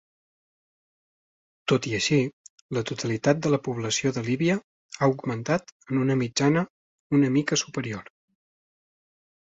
Tot i així la totalitat de la població de Líbia ha augmentat a una mitjana una mica superior.